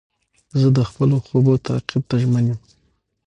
زه د خپلو خوبو تعقیب ته ژمن یم.